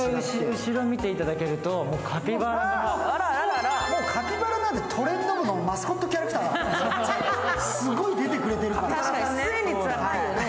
後ろ見ていただけると、カピバラがもうカピバラなんて「トレンド部」のマスコットキャラクターだから、すごい出てくれてるからね。